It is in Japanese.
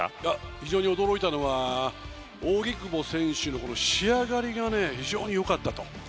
非常に驚いたのは扇久保選手の仕上がりが非常に良かった。